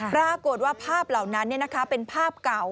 ปรากฏว่าภาพเหล่านั้นเป็นภาพเก่า